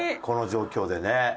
この状況でね。